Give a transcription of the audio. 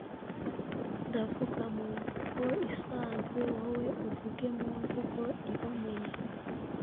Ndavuga mu mvugo isanzwe wowe uvuge mu mvugo iboneye